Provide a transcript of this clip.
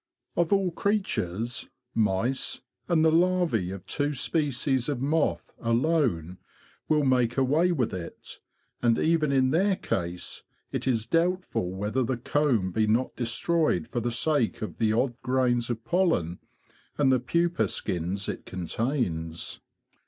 Of all creatures, mice, and the larve of two species of moth, alone will make away with it; and even in their case it is doubtful whether the comb be not destroyed for the sake of the odd grains of pollen and the pupa skins it contains.